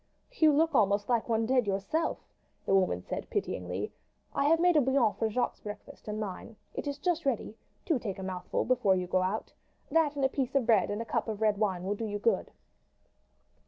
"You look almost like one dead yourself," the woman said pityingly. "I have made a bouillon for Jacques' breakfast and mine. It is just ready. Do take a mouthful before you go out. That and a piece of bread and a cup of red wine will do you good."